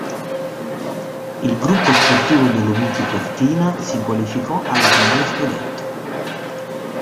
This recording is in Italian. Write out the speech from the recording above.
Il Gruppo Sportivo Dolomiti Cortina si qualificò alla finale scudetto.